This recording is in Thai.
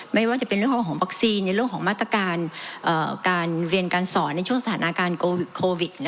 ไม่ว่าจะเป็นเรื่องของวัคซีนในเรื่องของมาตรการการเรียนการสอนในช่วงสถานการณ์โควิด